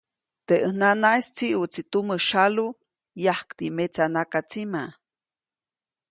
Teʼ ʼäj nanaʼis tsiʼutsi tumä syalu yajkti metsa nakatsima.